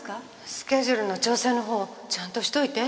スケジュールの調整のほうちゃんとしといて。